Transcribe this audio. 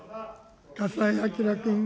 笠井亮君。